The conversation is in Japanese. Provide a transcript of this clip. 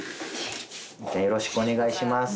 よろしくお願いします。